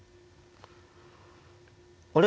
あれ？